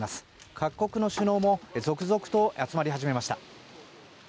各国の首脳も続々と集まり始めました。